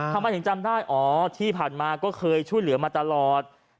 ทำไมถึงจำได้อ๋อที่ผ่านมาก็เคยช่วยเหลือมาตลอด